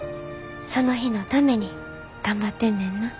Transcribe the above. その日のために頑張ってんねんな。